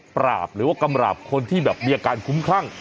หรือว่ากำราบคนที่แบบมีอาการคุ้มคลั่ง